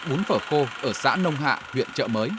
hợp tác xã phở khô ở xã nông hạ huyện trợ mới